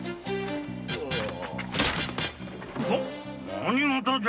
何事だ・